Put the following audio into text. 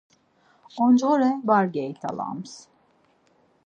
Oncğore var geyt̆alams.